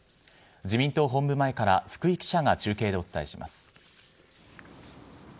自民党本部前から福井記者が中継でお伝えします。